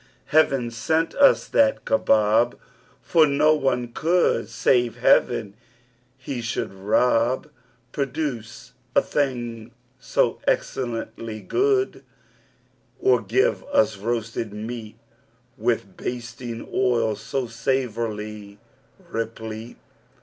Heaven sent us that kabob! For no one could (Save heaven he should rob) Produce a thing so excellently good, Or give us roasted meat With basting oil so savourily replete!